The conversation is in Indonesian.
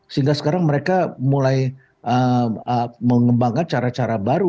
sehingga sekarang mereka mulai mengembangkan cara cara baru